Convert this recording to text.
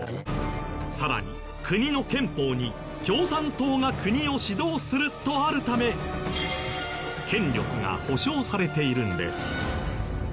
さらに国の憲法に共産党が国を指導するとあるため権力が保障されているんです。